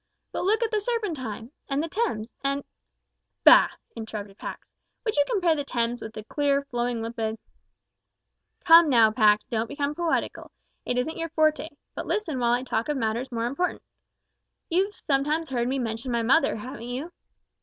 "But look at the Serpentine, and the Thames, and " "Bah!" interrupted Pax, "would you compare the Thames with the clear, flowing, limpid " "Come now, Pax, don't become poetical, it isn't your forte; but listen while I talk of matters more important. You've sometimes heard me mention my mother, haven't you?"